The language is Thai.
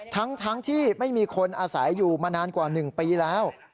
ทั้งที่ไม่มีคนอาศัยอยู่มานานกว่า๑ปีแล้ว